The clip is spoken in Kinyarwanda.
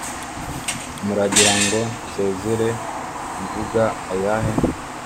muragira ngo nsezere mvuga ayahe